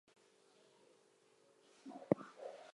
Millennials are his main audience.